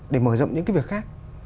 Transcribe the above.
để mở rộng những cái việc khác